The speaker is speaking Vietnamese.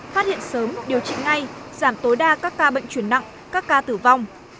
phát hiện sớm điều trị ngay giảm tối đa các ca bệnh chuyển nặng các ca tử vong